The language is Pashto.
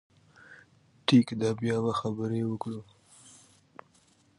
ټيک ده، بيا به خبرې وکړو